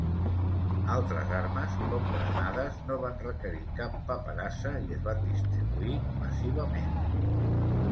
Altres armes, com granades no van requerir cap paperassa i es van distribuir massivament.